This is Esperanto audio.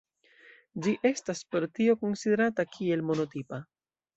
Ĝi estas pro tio konsiderata kiel monotipa.